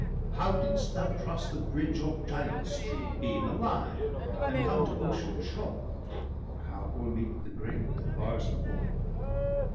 BALDER DEAD. 159 How didst thou cross the bridge o'er Giall's stream, Being alive, and come to Ocean's shore? Or how o'erleap the grate that bars the wall?'